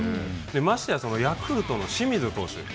ましてやヤクルトの清水投手。